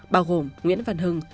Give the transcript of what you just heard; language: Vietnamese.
bao gồm nguyễn văn hưng